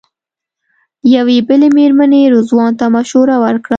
یوې بلې مېرمنې رضوان ته مشوره ورکړه.